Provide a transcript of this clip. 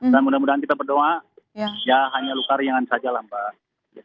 dan mudah mudahan kita berdoa ya hanya luka ringan saja lah mbak